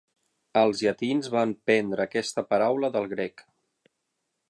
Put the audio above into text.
Els llatins van prendre aquesta paraula del grec.